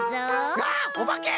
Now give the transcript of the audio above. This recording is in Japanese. わっおばけ！